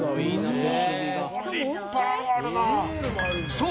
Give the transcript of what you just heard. ［そう。